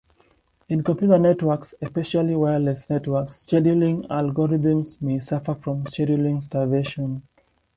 In computer networks, especially wireless networks, scheduling algorithms may suffer from scheduling starvation.